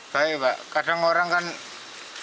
baik pak kadang orang kan